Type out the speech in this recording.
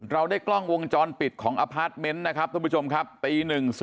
เราได้กล้องวงจรปิดของอพาร์ทเมนต์นะครับท่านผู้ชมครับตี๑๔